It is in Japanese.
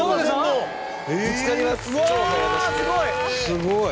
すごい！